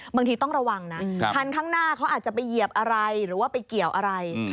บางทีต้องระวังนะคันข้างหน้าเขาอาจจะไปเหยียบอะไรหรือว่าไปเกี่ยวอะไร